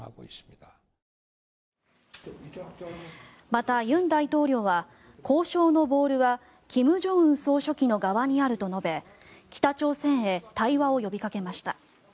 また、尹大統領は交渉のボールは金正恩総書記の側にあると述べ北朝鮮へ対話を呼びかけました。